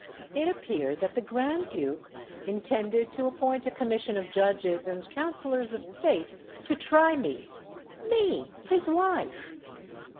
It appeared that the Grand Duke intended to appoint a Commission of Judges and Councillors of State to try me—me, his wife!